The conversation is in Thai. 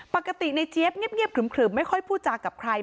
ปกติในเจี๊ยบเงียบขึมไม่ค่อยพูดจากับใคร